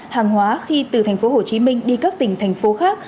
hàng hóa khi từ thành phố hồ chí minh đi các tỉnh thành phố khác